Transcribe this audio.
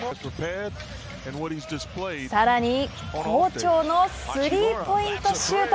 さらに好調のスリーポイントシュート。